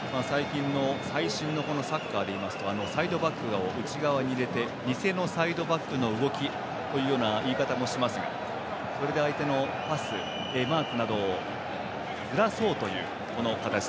最新のサッカーで言いますとサイドバックを内側に入れて偽のサイドバックの動きという言い方もしますがそれで、相手のパスマークなどをずらそうという形。